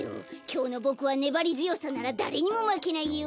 きょうのボクはねばりづよさならだれにもまけないよ。